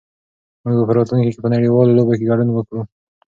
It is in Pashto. موږ به په راتلونکي کې په نړيوالو لوبو کې ګډون وکړو.